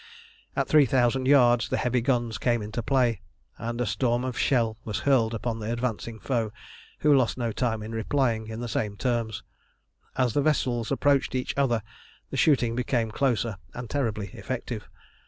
At three thousand yards the heavy guns came into play, and a storm of shell was hurled upon the advancing foe, who lost no time in replying in the same terms. As the vessels approached each other the shooting became closer and terribly effective.